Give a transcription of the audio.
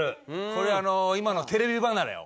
これ今のテレビ離れを。